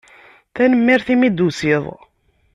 Tanemmirt imi d-tusiḍ.